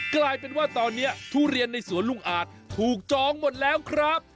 กลายเป็นว่าตอนนี้ทุเรียนในสวนลุงอาจถูกจองหมดแล้วครับ